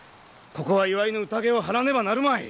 ここは祝いの宴を張らねばなるまい。